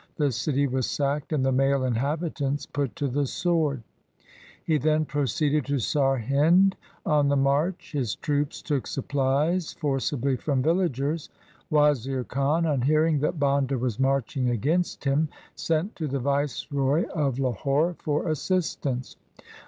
The city was sacked, and the male inhabi tants put to the sword. He then proceeded to Sarhind. On the march his troops took supplies forcibly from villagers. Wazir Khan on hearing that Banda was marching against him sent to the viceroy of Lahore for assist ance.